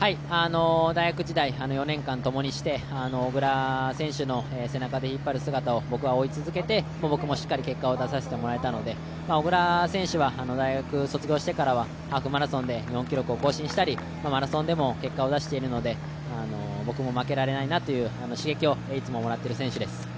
大学時代４年間ともにして、小椋選手の、背中で引っ張る姿を僕は追い続けて僕もしっかり結果を出させていただいたので小椋選手は大学卒業してからはハーフマラソンで日本記録を更新したりマラソンでも結果を出しているので、僕も僕も負けられないなという刺激をいつももらっている選手です。